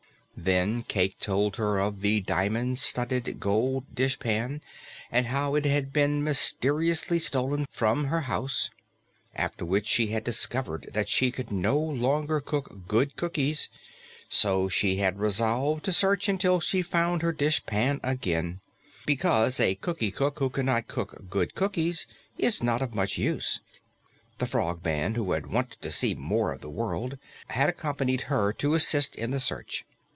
Then Cayke told her of the diamond studded gold dishpan and how it had been mysteriously stolen from her house, after which she had discovered that she could no longer cook good cookies. So she had resolved to search until she found her dishpan again, because a Cookie cook who cannot cook good cookies is not of much use. The Frogman, who had wanted to see more of the world, had accompanied her to assist in the search.